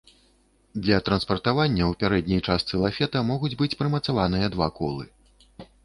Для транспартавання ў пярэдняй частцы лафета могуць быць прымацаваныя два колы.